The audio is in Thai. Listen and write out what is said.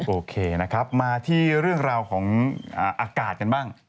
โอเคนะครับมาที่เรื่องราวของอากาศกันบ้าง